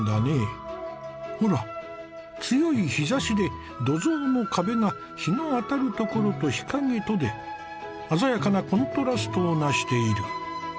ほら強い日ざしで土蔵の壁が日の当たるところと日陰とで鮮やかなコントラストをなしている。